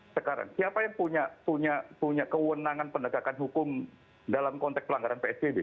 sekarang siapa yang punya kewenangan penegakan hukum dalam konteks pelanggaran psbb